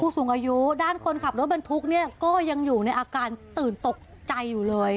สูงอายุด้านคนขับรถบรรทุกเนี่ยก็ยังอยู่ในอาการตื่นตกใจอยู่เลย